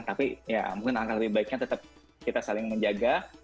tapi ya mungkin angka lebih baiknya tetap kita saling menjaga